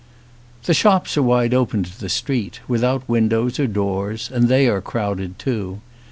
The shops are wide open to the street, without windows or doors, and they are crowded too.